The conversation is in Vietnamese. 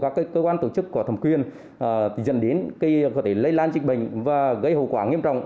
các cơ quan tổ chức có thẩm quyền dẫn đến có thể lây lan dịch bệnh và gây hậu quả nghiêm trọng